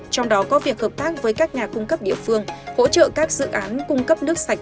trong đó có việc hợp tác với các nhà cung cấp địa phương hỗ trợ các dự án cung cấp nước sạch